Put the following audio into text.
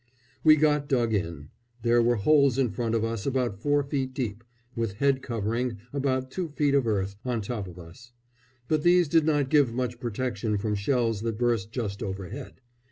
We got dug in. There were holes in front of us, about four feet deep, with head covering, about two feet of earth, on top of us; but these did not give much protection from shells that burst just overhead.